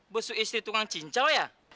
busu istri tukang cincau ya